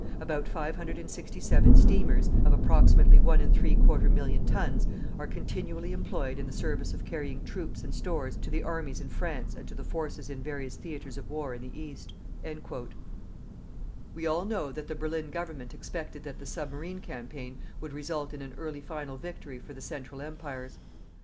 About 567 steamers, of approximately 1¾ million tons, are continually employed in the service of carrying troops and stores to the Armies in France and to the forces in various theatres of war in the East. We all know that the Berlin Government expected that the submarine campaign would result in an early final victory for the Central Empires.